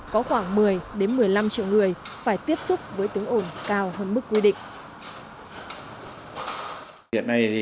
có khoảng một mươi một mươi năm triệu người phải tiếp xúc với tiếng ồn cao hơn mức quy định